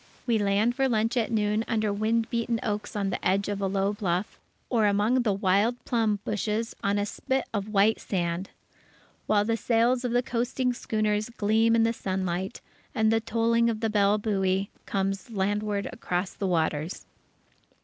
We land for lunch at noon under wind beaten oaks on the edge of a low bluff, or among the wild plum bushes on a spit of white sand; while the sails of the coasting schooners gleam in the sunlight, and the tolling of the bell buoy comes landward across the waters....